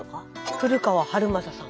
古川晴正さん。